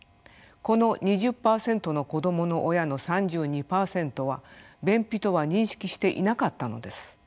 この２０％の子どもの親の３２％は便秘とは認識していなかったのです。